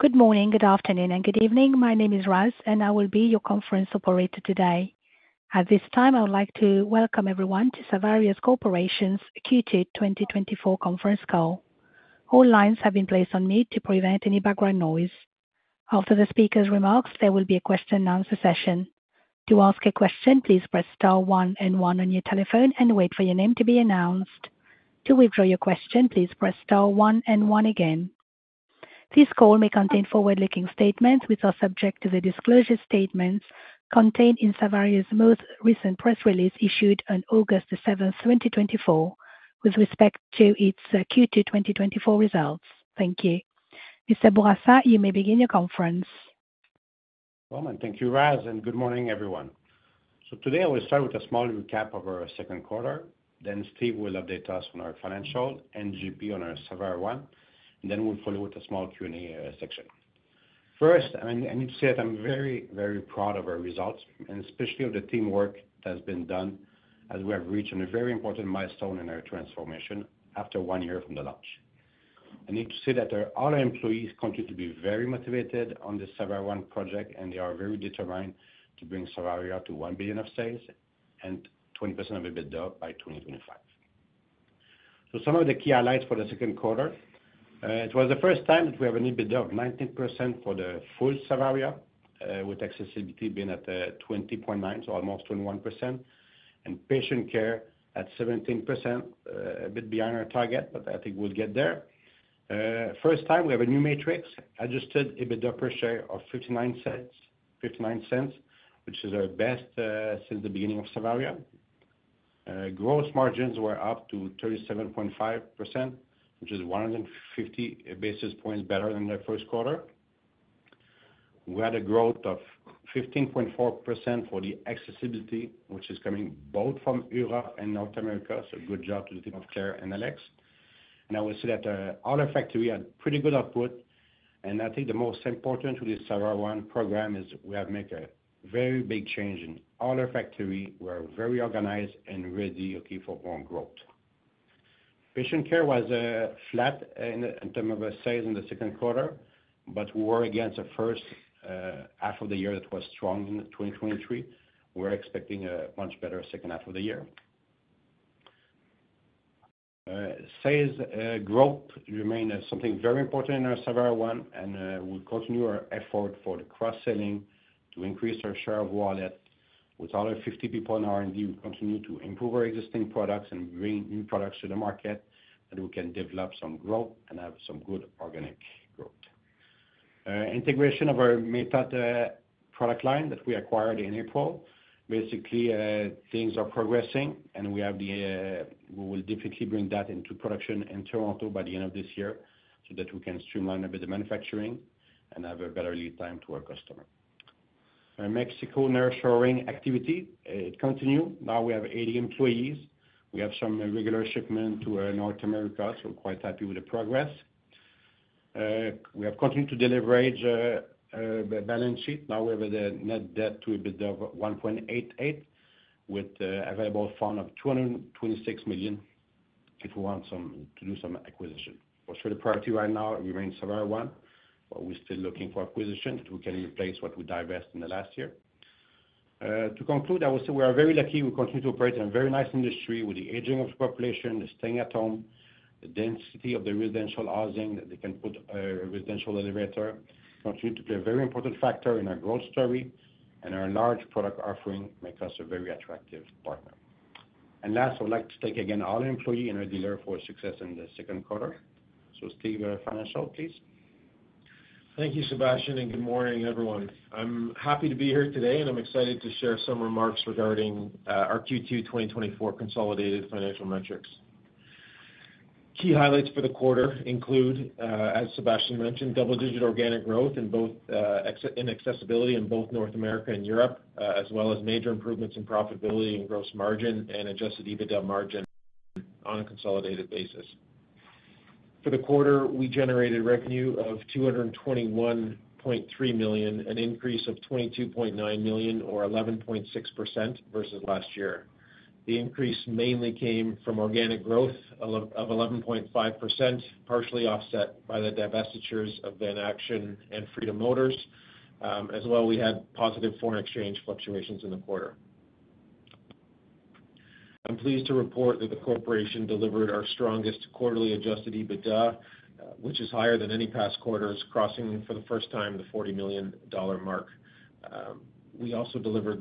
Good morning, good afternoon, and good evening. My name is Raz, and I will be your conference operator today. At this time, I would like to welcome everyone to Savaria Corporation's Q2 2024 conference call. All lines have been placed on mute to prevent any background noise. After the speaker's remarks, there will be a question and answer session. To ask a question, please press star one and one on your telephone and wait for your name to be announced. To withdraw your question, please press star one and one again. This call may contain forward-looking statements, which are subject to the disclosure statements contained in Savaria's most recent press release, issued on August 7, 2024, with respect to its Q2 2024 results. Thank you. Mr. Bourassa, you may begin your conference. Well, and thank you, Raz, and good morning, everyone. So today I will start with a small recap of our second quarter. Then Steve will update us on our financial and JP on our Savaria One, and then we'll follow with a small Q&A section. First, I mean, I need to say that I'm very, very proud of our results and especially of the teamwork that has been done, as we have reached a very important milestone in our transformation after one year from the launch. I need to say that our other employees continue to be very motivated on the Savaria One project, and they are very determined to bring Savaria to 1 billion of sales and 20% EBITDA by 2025. So some of the key highlights for the second quarter. It was the first time that we have an EBITDA of 19% for the full Savaria, with accessibility being at 20.9%, so almost 21%, and patient care at 17%, a bit beyond our target, but I think we'll get there. First time we have a new metric, Adjusted EBITDA per share of 0.59, 0.59, which is our best since the beginning of Savaria. Gross margins were up to 37.5%, which is 150 basis points better than the first quarter. We had a growth of 15.4% for the accessibility, which is coming both from Europe and North America, so good job to the team of Claire and Alex. And I will say that all our factory had pretty good output, and I think the most important to the Savaria One program is we have make a very big change in all our factory. We are very organized and ready, okay, for more growth. Patient care was flat in terms of our sales in the second quarter, but we were against the first half of the year that was strong in 2023. We're expecting a much better second half of the year. Sales growth remained as something very important in our Savaria One, and we continue our effort for the cross-selling to increase our share of wallet. With all our 50 people in R&D, we continue to improve our existing products and bring new products to the market, and we can develop some growth and have some good organic growth. Integration of our Matot product line that we acquired in April. Basically, things are progressing, and we have the, we will definitely bring that into production in Toronto by the end of this year, so that we can streamline a bit of manufacturing and have a better lead time to our customer. Mexico nearshoring activity, it continue. Now we have 80 employees. We have some regular shipment to, North America, so we're quite happy with the progress. We have continued to deleverage, the balance sheet. Now we have a net debt to EBITDA of 1.88, with, available fund of 226 million if we want some, to do some acquisition. For sure, the priority right now remains Savaria One, but we're still looking for acquisition that we can replace what we divest in the last year. To conclude, I will say we are very lucky. We continue to operate in a very nice industry with the aging of the population, the staying at home, the density of the residential housing, that they can put a residential elevator, continue to play a very important factor in our growth story, and our large product offering makes us a very attractive partner. Last, I would like to thank again all employee and our dealer for success in the second quarter. So Steve, financial, please. Thank you, Sébastien, and good morning, everyone. I'm happy to be here today, and I'm excited to share some remarks regarding our Q2 2024 consolidated financial metrics. Key highlights for the quarter include, as Sébastien mentioned, double-digit organic growth in both accessibility in both North America and Europe, as well as major improvements in profitability and gross margin and Adjusted EBITDA margin on a consolidated basis. For the quarter, we generated revenue of 221.3 million, an increase of 22.9 million, or 11.6% versus last year. The increase mainly came from organic growth of 11.5%, partially offset by the divestitures of Van-Action and Freedom Motors. As well, we had positive foreign exchange fluctuations in the quarter. I'm pleased to report that the corporation delivered our strongest quarterly Adjusted EBITDA, which is higher than any past quarters, crossing for the first time the 40 million dollar mark. We also delivered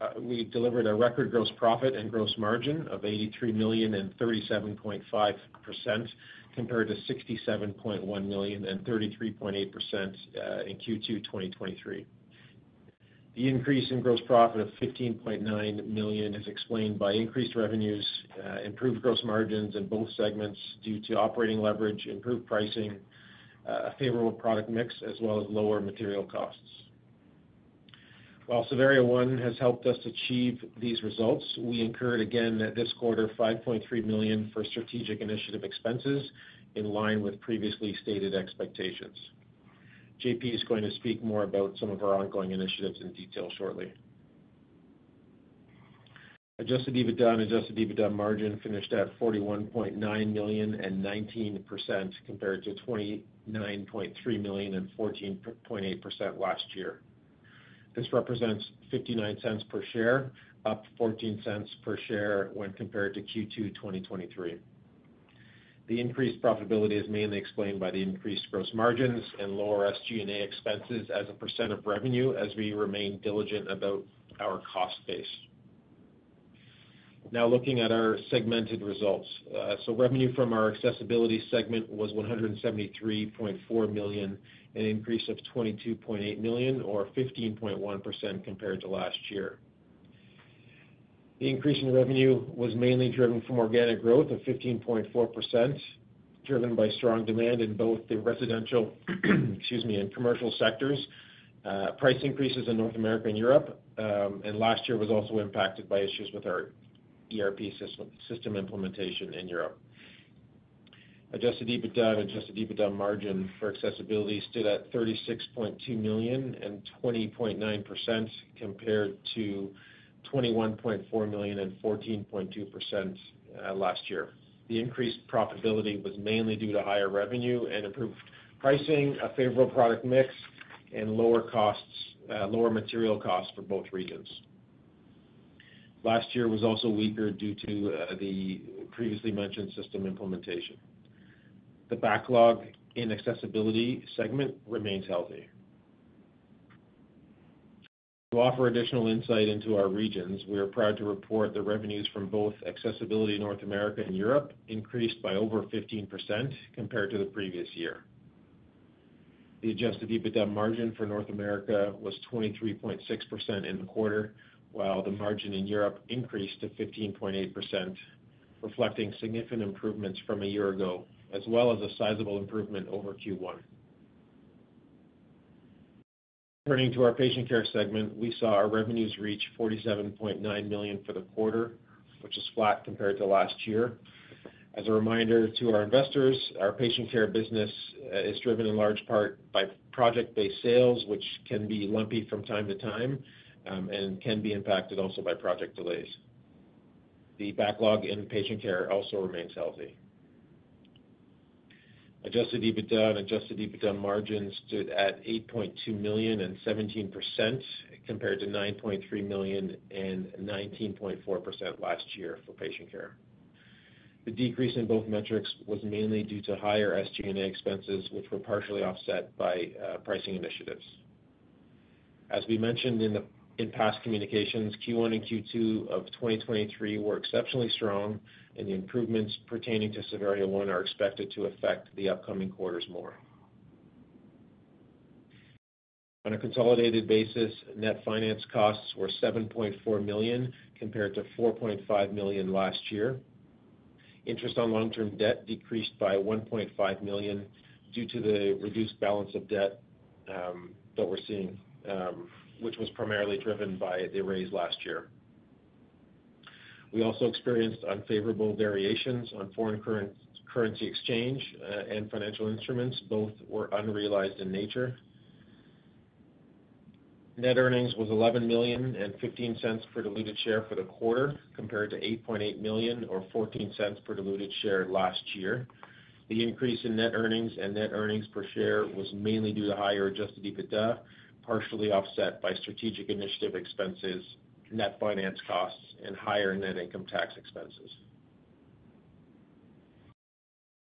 a record gross profit and gross margin of 83 million and 37.5% compared to 67.1 million and 33.8% in Q2 2023. The increase in gross profit of 15.9 million is explained by increased revenues, improved gross margins in both segments due to operating leverage, improved pricing, a favorable product mix, as well as lower material costs. While Savaria One has helped us achieve these results, we incurred again this quarter 5.3 million for strategic initiative expenses in line with previously stated expectations. JP is going to speak more about some of our ongoing initiatives in detail shortly. Adjusted EBITDA and Adjusted EBITDA margin finished at 41.9 million and 19% compared to 29.3 million and 14.8% last year. This represents 0.59 per share, up 0.14 per share when compared to Q2 2023. The increased profitability is mainly explained by the increased gross margins and lower SG&A expenses as a percent of revenue as we remain diligent about our cost base. Now looking at our segmented results. Revenue from our accessibility segment was 173.4 million, an increase of 22.8 million, or 15.1% compared to last year. The increase in revenue was mainly driven from organic growth of 15.4%, driven by strong demand in both the residential, excuse me, and commercial sectors, price increases in North America and Europe, and last year was also impacted by issues with our ERP system implementation in Europe. Adjusted EBITDA and Adjusted EBITDA margin for accessibility stood at 36.2 million and 20.9% compared to 21.4 million and 14.2%, last year. The increased profitability was mainly due to higher revenue and improved pricing, a favorable product mix, and lower costs, lower material costs for both regions. Last year was also weaker due to the previously mentioned system implementation. The backlog in accessibility segment remains healthy. To offer additional insight into our regions, we are proud to report the revenues from both Accessibility North America and Europe increased by over 15% compared to the previous year. The Adjusted EBITDA margin for North America was 23.6% in the quarter, while the margin in Europe increased to 15.8%, reflecting significant improvements from a year ago, as well as a sizable improvement over Q1. Turning to our patient care segment, we saw our revenues reach 47.9 million for the quarter, which is flat compared to last year. As a reminder to our investors, our patient care business is driven in large part by project-based sales, which can be lumpy from time to time, and can be impacted also by project delays. The backlog in patient care also remains healthy. Adjusted EBITDA and Adjusted EBITDA margin stood at 8.2 million and 17% compared to 9.3 million and 19.4% last year for patient care. The decrease in both metrics was mainly due to higher SG&A expenses, which were partially offset by pricing initiatives. As we mentioned in past communications, Q1 and Q2 of 2023 were exceptionally strong, and the improvements pertaining to Savaria One are expected to affect the upcoming quarters more. On a consolidated basis, net finance costs were 7.4 million, compared to 4.5 million last year. Interest on long-term debt decreased by 1.5 million due to the reduced balance of debt that we're seeing, which was primarily driven by the raise last year. We also experienced unfavorable variations on foreign currency exchange and financial instruments. Both were unrealized in nature. Net earnings was 11 million or 0.15 per diluted share for the quarter, compared to 8.8 million or 0.14 per diluted share last year. The increase in net earnings and net earnings per share was mainly due to higher Adjusted EBITDA, partially offset by strategic initiative expenses, net finance costs, and higher net income tax expenses.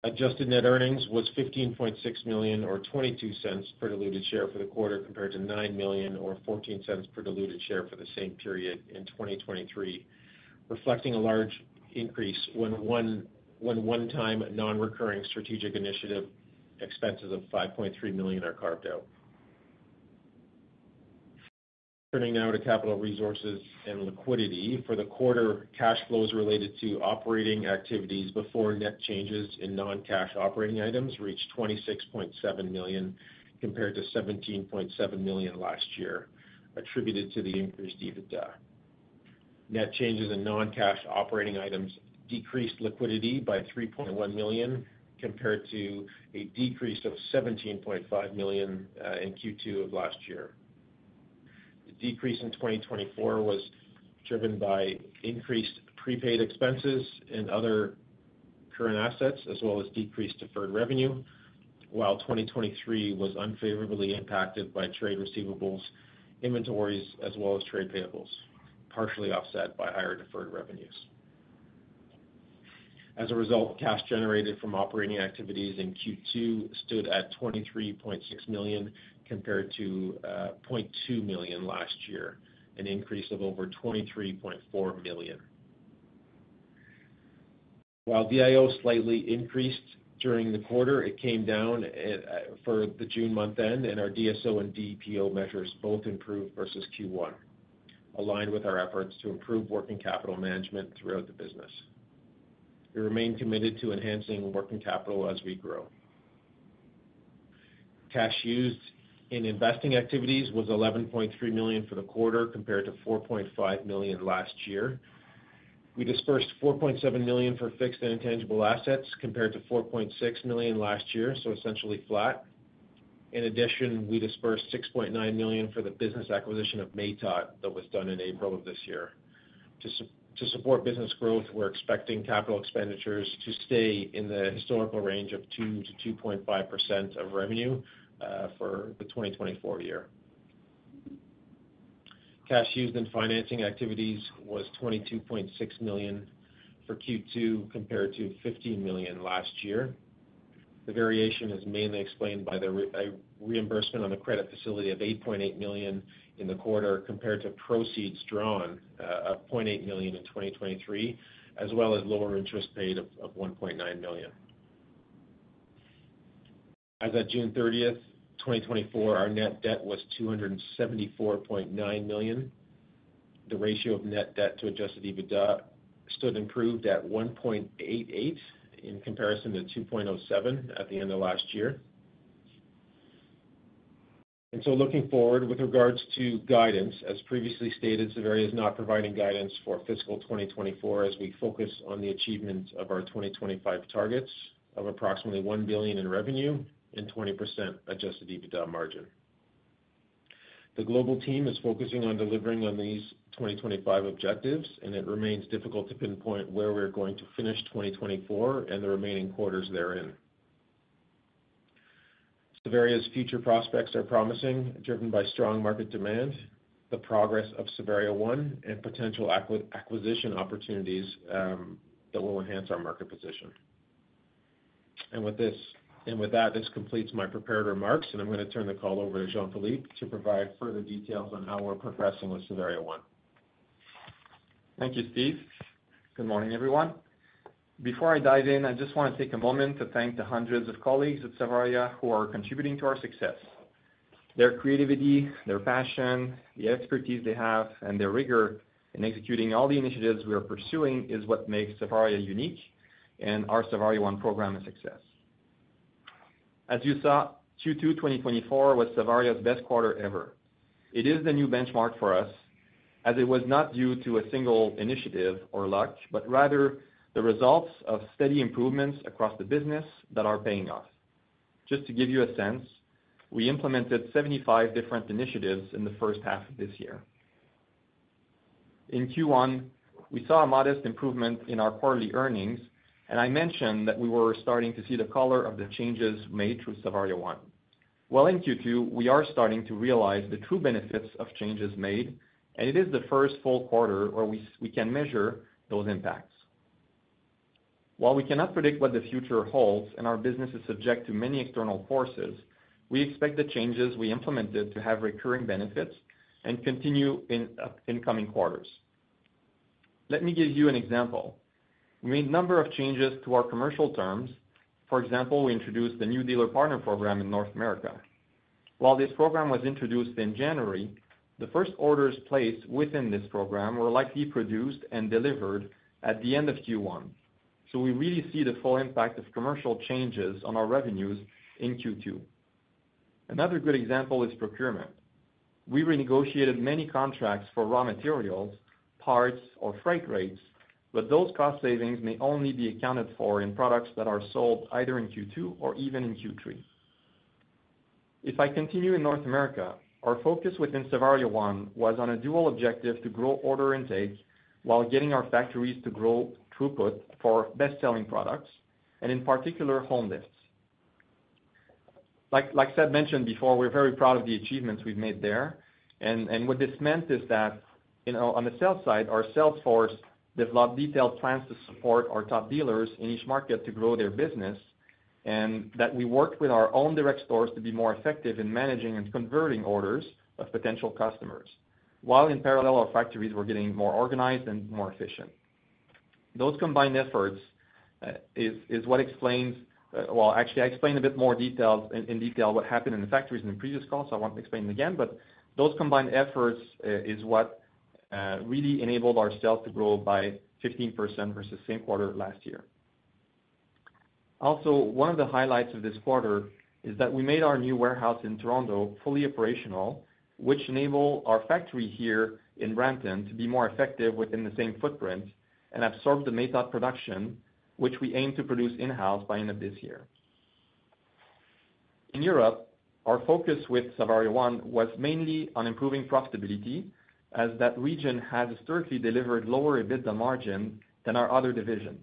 Adjusted net earnings was 15.6 million or 0.22 per diluted share for the quarter, compared to 9 million or 0.14 per diluted share for the same period in 2023, reflecting a large increase when one-time non-recurring strategic initiative expenses of 5.3 million are carved out. Turning now to capital resources and liquidity. For the quarter, cash flows related to operating activities before net changes in non-cash operating items reached 26.7 million, compared to 17.7 million last year, attributed to the increased EBITDA. Net changes in non-cash operating items decreased liquidity by 3.1 million, compared to a decrease of 17.5 million in Q2 of last year. The decrease in 2024 was driven by increased prepaid expenses and other current assets, as well as decreased deferred revenue, while 2023 was unfavorably impacted by trade receivables, inventories, as well as trade payables, partially offset by higher deferred revenues. As a result, cash generated from operating activities in Q2 stood at 23.6 million, compared to 0.2 million last year, an increase of over 23.4 million. While DIO slightly increased during the quarter, it came down for the June month-end, and our DSO and DPO measures both improved versus Q1, aligned with our efforts to improve working capital management throughout the business. We remain committed to enhancing working capital as we grow. Cash used in investing activities was 11.3 million for the quarter, compared to 4.5 million last year. We dispersed 4.7 million for fixed and intangible assets, compared to 4.6 million last year, so essentially flat. In addition, we dispersed 6.9 million for the business acquisition of Matot that was done in April of this year. To support business growth, we're expecting capital expenditures to stay in the historical range of 2%-2.5% of revenue for the 2024 year. Cash used in financing activities was 22.6 million for Q2, compared to 15 million last year. The variation is mainly explained by the reimbursement on the credit facility of 8.8 million in the quarter, compared to proceeds drawn of 0.8 million in 2023, as well as lower interest paid of, of 1.9 million. As of June thirtieth, 2024, our net debt was 274.9 million. The ratio of net debt to Adjusted EBITDA stood improved at 1.88, in comparison to 2.07 at the end of last year. So looking forward, with regards to guidance, as previously stated, Savaria is not providing guidance for fiscal 2024 as we focus on the achievement of our 2025 targets of approximately 1 billion in revenue and 20% Adjusted EBITDA margin. The global team is focusing on delivering on these 2025 objectives, and it remains difficult to pinpoint where we're going to finish 2024 and the remaining quarters therein. Savaria's future prospects are promising, driven by strong market demand, the progress of Savaria One, and potential acquisition opportunities that will enhance our market position. And with that, this completes my prepared remarks, and I'm gonna turn the call over to Jean-Philippe to provide further details on how we're progressing with Savaria One. Thank you, Steve. Good morning, everyone. Before I dive in, I just want to take a moment to thank the hundreds of colleagues at Savaria who are contributing to our success. Their creativity, their passion, the expertise they have, and their rigor in executing all the initiatives we are pursuing is what makes Savaria unique and our Savaria One program a success. As you saw, Q2 2024 was Savaria's best quarter ever. It is the new benchmark for us, as it was not due to a single initiative or luck, but rather the results of steady improvements across the business that are paying off. Just to give you a sense, we implemented 75 different initiatives in the first half of this year. In Q1, we saw a modest improvement in our quarterly earnings, and I mentioned that we were starting to see the color of the changes made through Savaria One. Well, in Q2, we are starting to realize the true benefits of changes made, and it is the first full quarter where we can measure those impacts. While we cannot predict what the future holds, and our business is subject to many external forces, we expect the changes we implemented to have recurring benefits and continue in coming quarters. Let me give you an example. We made a number of changes to our commercial terms. For example, we introduced the new dealer partner program in North America. While this program was introduced in January, the first orders placed within this program were likely produced and delivered at the end of Q1. We really see the full impact of commercial changes on our revenues in Q2. Another good example is procurement. We renegotiated many contracts for raw materials, parts, or freight rates, but those cost savings may only be accounted for in products that are sold either in Q2 or even in Q3. If I continue in North America, our focus within Savaria One was on a dual objective to grow order intakes while getting our factories to grow throughput for bestselling products, and in particular, home lifts. Like, Steve mentioned before, we're very proud of the achievements we've made there. What this meant is that, you know, on the sales side, our sales force developed detailed plans to support our top dealers in each market to grow their business, and that we worked with our own direct stores to be more effective in managing and converting orders of potential customers, while in parallel, our factories were getting more organized and more efficient. Those combined efforts is what explains. Well, actually, I explained a bit more details in detail what happened in the factories in the previous call, so I won't explain it again. But those combined efforts is what really enabled our sales to grow by 15% versus same quarter last year. Also, one of the highlights of this quarter is that we made our new warehouse in Toronto fully operational, which enable our factory here in Brampton to be more effective within the same footprint and absorb the Matot production, which we aim to produce in-house by end of this year. In Europe, our focus with Savaria One was mainly on improving profitability, as that region has historically delivered lower EBITDA margin than our other divisions.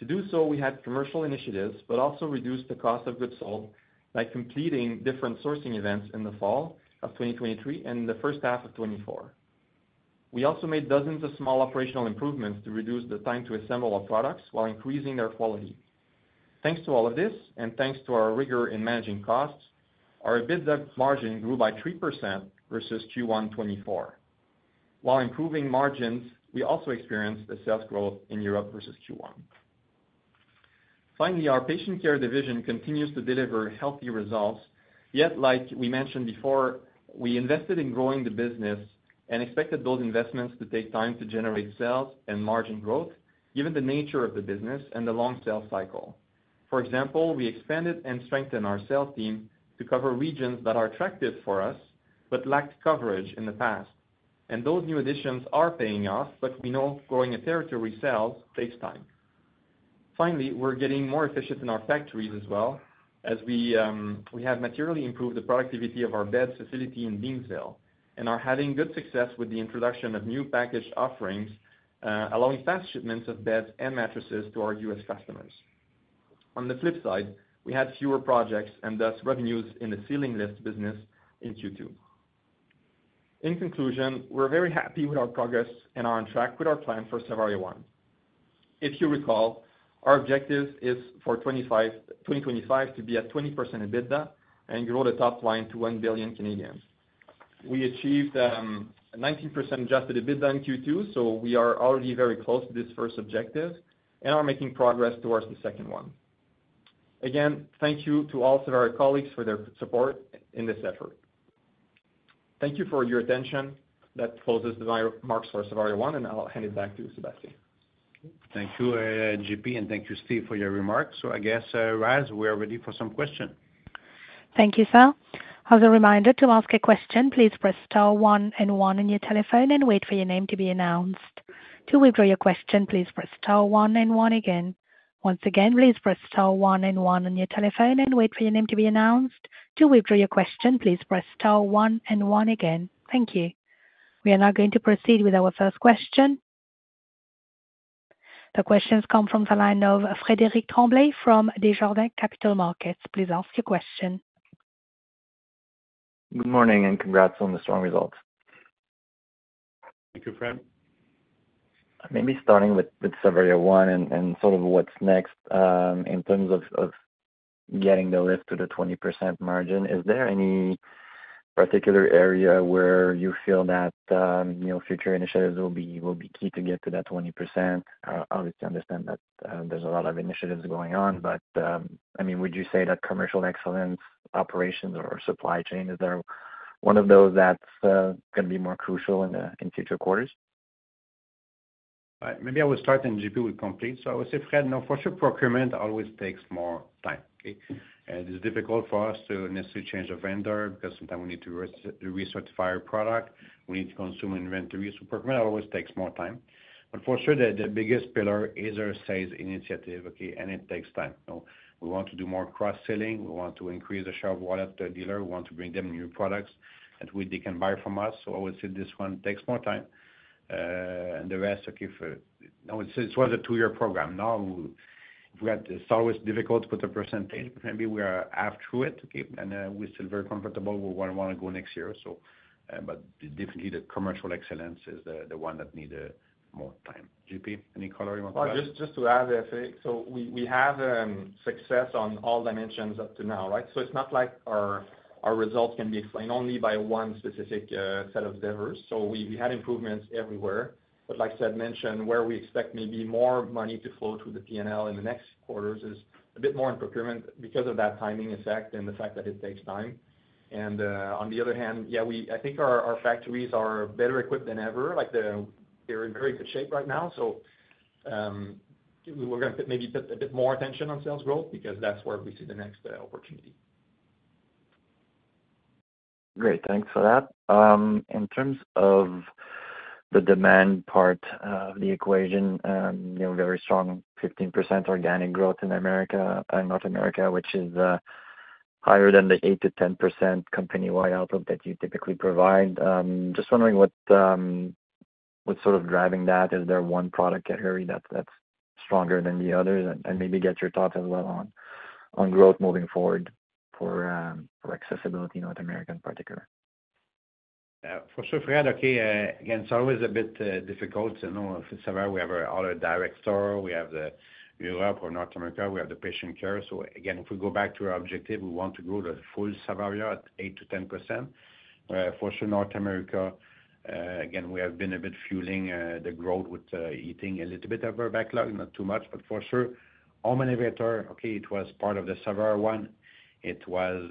To do so, we had commercial initiatives, but also reduced the cost of goods sold by completing different sourcing events in the fall of 2023 and the first half of 2024. We also made dozens of small operational improvements to reduce the time to assemble our products while increasing their quality. Thanks to all of this, and thanks to our rigor in managing costs, our EBITDA margin grew by 3% versus Q1 2024. While improving margins, we also experienced a sales growth in Europe versus Q1. Finally, our patient care division continues to deliver healthy results. Yet, like we mentioned before, we invested in growing the business and expected those investments to take time to generate sales and margin growth, given the nature of the business and the long sales cycle. For example, we expanded and strengthened our sales team to cover regions that are attractive for us, but lacked coverage in the past. Those new additions are paying off, but we know growing a territory sales takes time. Finally, we're getting more efficient in our factories as well, as we have materially improved the productivity of our beds facility in Beamsville and are having good success with the introduction of new package offerings, allowing fast shipments of beds and mattresses to our U.S. customers. On the flip side, we had fewer projects and thus, revenues in the ceiling lift business in Q2. In conclusion, we're very happy with our progress and are on track with our plan for Savaria One. If you recall, our objective is for 25, 2025 to be at 20% EBITDA and grow the top line to 1 billion. We achieved a 19% Adjusted EBITDA in Q2, so we are already very close to this first objective and are making progress towards the second one. Again, thank you to all Savaria colleagues for their support in this effort. Thank you for your attention. That closes my remarks for Savaria One, and I'll hand it back to you, Sébastien. Thank you, JP, and thank you, Steve, for your remarks. So I guess, Raz, we are ready for some questions. Thank you, sir. As a reminder, to ask a question, please press star one and one on your telephone and wait for your name to be announced. To withdraw your question, please press star one and one again. Once again, please press star one and one on your telephone and wait for your name to be announced. To withdraw your question, please press star one and one again. Thank you. We are now going to proceed with our first question. The questions come from the line of Frederic Tremblay from Desjardins Capital Markets. Please ask your question. Good morning, and congrats on the strong results. Thank you, Fred. Maybe starting with Savaria One and sort of what's next, in terms of getting the lift to the 20% margin, is there any particular area where you feel that, you know, future initiatives will be key to get to that 20%? Obviously understand that, there's a lot of initiatives going on, but, I mean, would you say that commercial excellence, operations or supply chain, is there one of those that's gonna be more crucial in future quarters? Maybe I will start, and JP will complete. So I would say, Fred, no, for sure, procurement always takes more time, okay? And it's difficult for us to necessarily change the vendor, because sometimes we need to recertify our product. We need to consume inventory. So procurement always takes more time. But for sure, the biggest pillar is our sales initiative, okay? And it takes time, you know. We want to do more cross-selling. We want to increase the share of wallet, the dealer. We want to bring them new products that way they can buy from us. So I would say this one takes more time. And the rest, okay, for... I would say it was a two-year program. Now, we had it's always difficult to put a percentage, but maybe we are half through it, okay, and we're still very comfortable where we wanna go next year, so but definitely, the commercial excellence is the, the one that need more time. JP, any color you want to add? Well, just, just to add, Fred, so we have success on all dimensions up to now, right? So it's not like our results can be explained only by one specific set of endeavors. So we had improvements everywhere. But like Seb mentioned, where we expect maybe more money to flow through the P&L in the next quarters is a bit more in procurement because of that timing effect and the fact that it takes time. And on the other hand, yeah, we, I think our factories are better equipped than ever. Like, they're in very good shape right now, so, we're gonna put maybe a bit more attention on sales growth because that's where we see the next opportunity. Great. Thanks for that. In terms of the demand part of the equation, you know, very strong, 15% organic growth in America, North America, which is higher than the 8%-10% company-wide output that you typically provide. Just wondering what, what's sort of driving that? Is there one product category that's stronger than the others? And maybe get your thoughts as well on growth moving forward for accessibility, North America in particular. For sure, Fred. Okay, again, it's always a bit difficult to know. For Savaria, we have our direct store, we have the Europe or North America, we have the patient care. So again, if we go back to our objective, we want to grow the full Savaria at 8%-10%. For sure, North America, again, we have been a bit fueling the growth with eating a little bit of our backlog, not too much, but for sure, home elevator, okay, it was part of the Savaria One. It was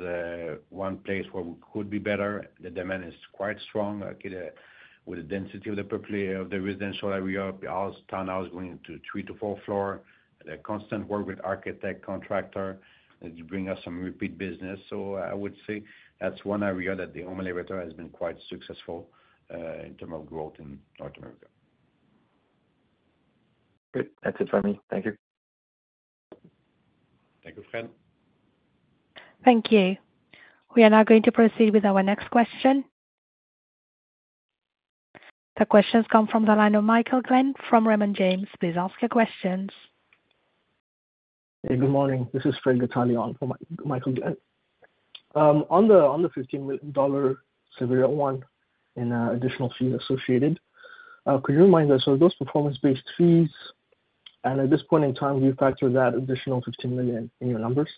one place where we could be better. The demand is quite strong, okay, with the density of the population of the residential area, all townhouses going into 3-4 floor. The constant work with architect, contractor, it bring us some repeat business. So I would say that's one area that the home elevator has been quite successful, in terms of growth in North America. Good. That's it for me. Thank you. Thank you, Fred. Thank you. We are now going to proceed with our next question. The question's come from the line of Michael Glenn from Raymond James. Please ask your questions. Hey, good morning. This is Fred Bastien from Michael Glenn. On the CAD 15 million Savaria One and additional fees associated, could you remind us, are those performance-based fees, and at this point in time, do you factor that additional 15 million in your numbers?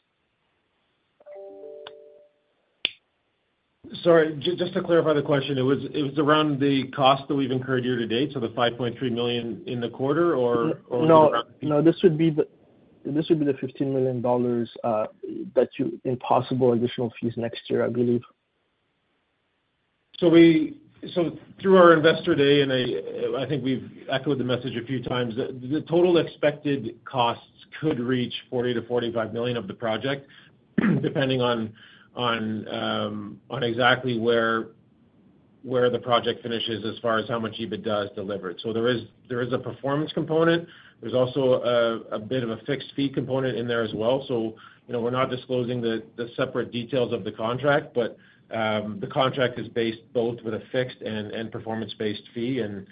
Sorry, just to clarify the question, it was around the cost that we've incurred year to date, so the 5.3 million in the quarter, or, or- No, no, this would be the 15 million dollars that you in possible additional fees next year, I believe. So through our Investor Day, and I think we've echoed the message a few times, the total expected costs could reach 40 million-45 million of the project, depending on exactly where the project finishes as far as how much EBITDA is delivered. So there is a performance component. There's also a bit of a fixed fee component in there as well. So, you know, we're not disclosing the separate details of the contract, but the contract is based both with a fixed and performance-based fee. And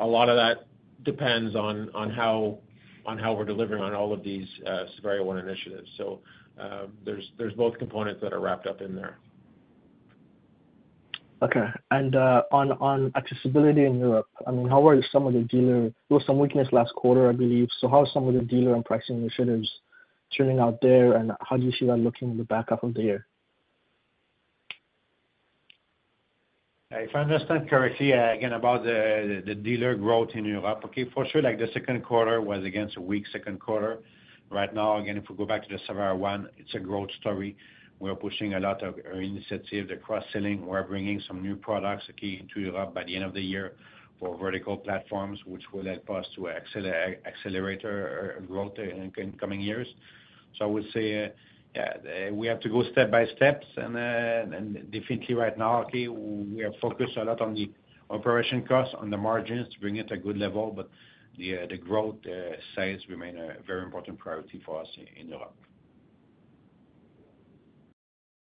a lot of that depends on how we're delivering on all of these Savaria One initiatives. So there's both components that are wrapped up in there. Okay. And, on accessibility in Europe, I mean, how are some of the dealers? There was some weakness last quarter, I believe. So how are some of the dealers and pricing initiatives turning out there, and how do you see that looking in the back half of the year? If I understand correctly, again, about the dealer growth in Europe. Okay, for sure, like, the second quarter was, again, it's a weak second quarter. Right now, again, if we go back to the Savaria One, it's a growth story. We are pushing a lot of our initiative, the cross-selling. We're bringing some new products, okay, to Europe by the end of the year for vertical platforms, which will help us to accelerate our growth in coming years. So I would say, yeah, we have to go step by steps, and then, and definitely right now, okay, we are focused a lot on the operation costs, on the margins, to bring it a good level, but the growth sides remain a very important priority for us in Europe.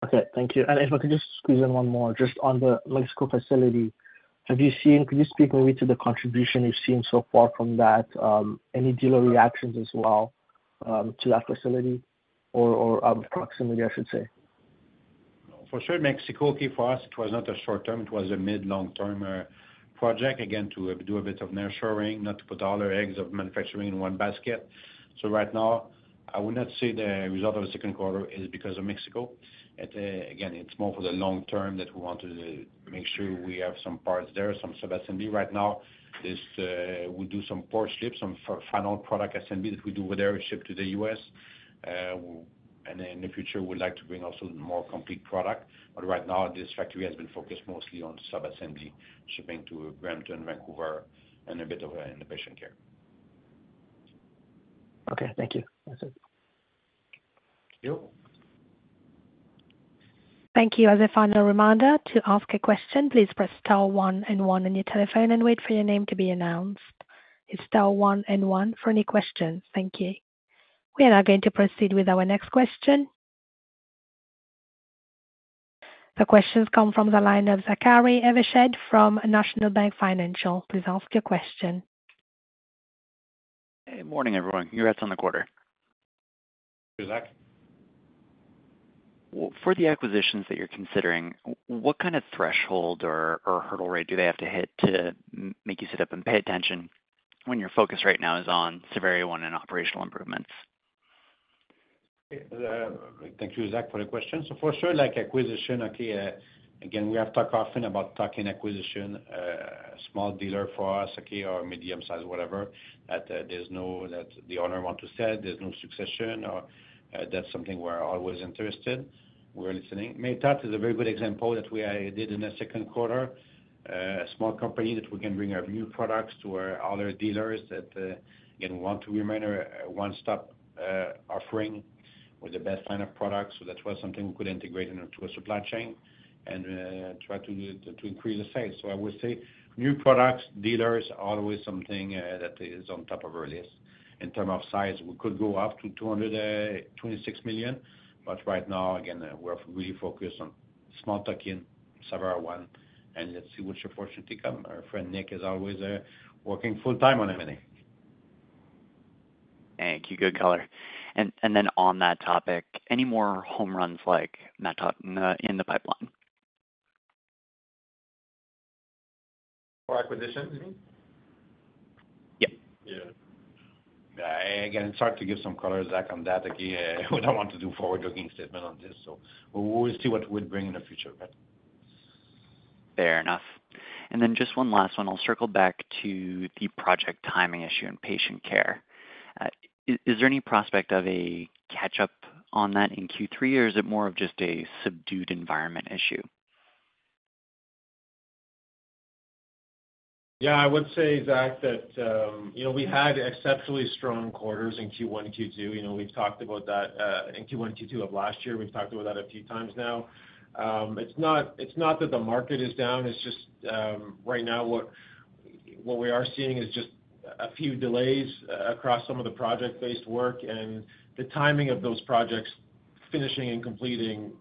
Okay, thank you. And if I could just squeeze in one more, just on the Mexico facility, have you seen, could you speak maybe to the contribution you've seen so far from that? Any dealer reactions as well, to that facility or, or of proximity, I should say? For sure, Mexico, okay, for us, it was not a short term. It was a mid, long term project, again, to do a bit of nearshoring, not to put all our eggs of manufacturing in one basket. So right now, I would not say the result of the second quarter is because of Mexico. It, again, it's more for the long term that we want to make sure we have some parts there, some sub-assembly right now. This, we do some parts shipments, some final product assembly that we do with every shipment to the U.S.. And in the future, we'd like to bring also more complete product, but right now, this factory has been focused mostly on sub-assembly, shipping to Brampton, Vancouver, and a bit of in the patient care. Okay, thank you. That's it. Yep. Thank you. As a final reminder, to ask a question, please press star one and one on your telephone and wait for your name to be announced. It's star one and one for any questions. Thank you. We are now going to proceed with our next question. The question comes from the line of Zachary Evershed from National Bank Financial. Please ask your question. Hey, morning, everyone. Congrats on the quarter. Hey, Zach. Well, for the acquisitions that you're considering, what kind of threshold or hurdle rate do they have to hit to make you sit up and pay attention, when your focus right now is on Savaria One and operational improvements? Thank you, Zach, for the question. So for sure, like, acquisition, okay, again, we have talked often about tuck-in acquisition, small dealer for us, okay, or medium-sized, whatever, that, there's no... That the owner want to sell, there's no succession or, that's something we're always interested. We're listening. Matot is a very good example that we did in the second quarter. A small company that we can bring our new products to our other dealers that, again, want to remain a, a one-stop, offering with the best line of products. So that was something we could integrate into our supply chain and try to increase the sales. So I would say new products, dealers, are always something that is on top of our list. In terms of size, we could go up to 226 million, but right now, again, we're really focused on small tuck-in, Savaria One, and let's see what the future to come. Our friend Nick is always there, working full time on M&A. Thank you. Good color. And then on that topic, any more home runs like Matot in the pipeline? More acquisitions, you mean? Yep. Yeah. Yeah. Again, sorry to give some color, Zach, on that. Again, we don't want to do forward-looking statement on this, so we will see what we bring in the future, but. Fair enough. And then just one last one. I'll circle back to the project timing issue in patient care. Is there any prospect of a catch-up on that in Q3, or is it more of just a subdued environment issue? Yeah, I would say, Zach, that, you know, we had exceptionally strong quarters in Q1 and Q2. You know, we've talked about that in Q1 and Q2 of last year. We've talked about that a few times now. It's not, it's not that the market is down, it's just right now, what we are seeing is just a few delays across some of the project-based work, and the timing of those projects finishing and completing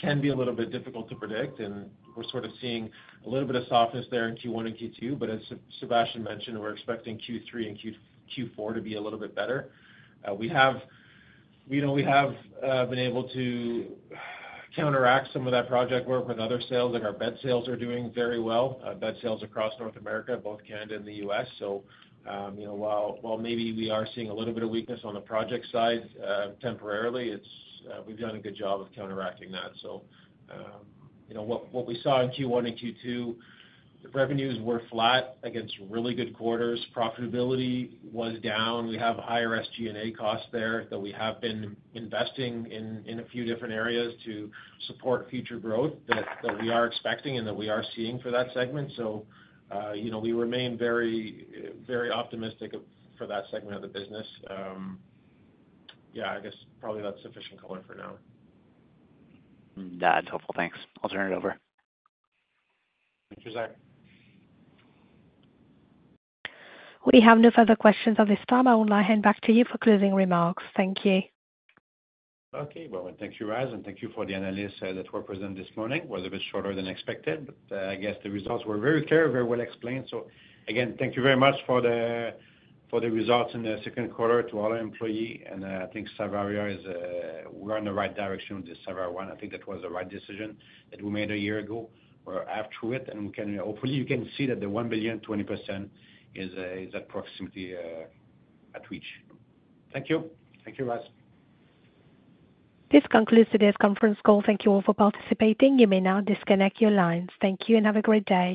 can be a little bit difficult to predict, and we're sort of seeing a little bit of softness there in Q1 and Q2, but as Sébastien mentioned, we're expecting Q3 and Q4 to be a little bit better. We have, you know, we have, been able to counteract some of that project work with other sales, like our bed sales are doing very well, bed sales across North America, both Canada and the US. So, you know, while, while maybe we are seeing a little bit of weakness on the project side, temporarily, it's, we've done a good job of counteracting that. So, you know, what, what we saw in Q1 and Q2, the revenues were flat against really good quarters. Profitability was down. We have higher SG&A costs there, that we have been investing in, in a few different areas to support future growth that, that we are expecting and that we are seeing for that segment. So, you know, we remain very, very optimistic of, for that segment of the business. Yeah, I guess probably that's sufficient color for now. That's helpful. Thanks. I'll turn it over. Thank you, Zach. We have no further questions at this time. I will now hand back to you for closing remarks. Thank you. Okay. Well, thank you, Raz, and thank you for the analysts that were present this morning. Was a bit shorter than expected, but I guess the results were very clear, very well explained. So again, thank you very much for the, for the results in the second quarter to all our employees, and I think Savaria is, we're on the right direction with the Savaria One. I think that was the right decision that we made a year ago. We're up to it, and we can, hopefully, you can see that the 1 billion, 20% is, is approximately, at reach. Thank you. Thank you, Raz. This concludes today's conference call. Thank you all for participating. You may now disconnect your lines. Thank you, and have a great day.